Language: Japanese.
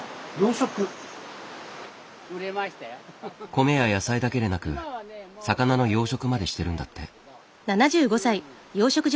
米や野菜だけでなく魚の養殖までしてるんだって。